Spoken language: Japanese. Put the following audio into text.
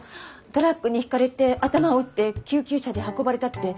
トラックにひかれて頭を打って救急車で運ばれたって。